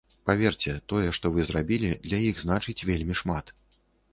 Паверце, тое, што вы зрабілі, для іх значыць вельмі шмат.